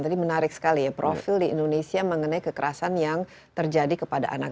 tadi menarik sekali ya profil di indonesia mengenai kekerasan yang terjadi kepada anak